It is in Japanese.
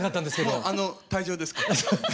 もうあの退場ですか？